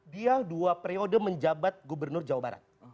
dia dua periode menjabat gubernur jawa barat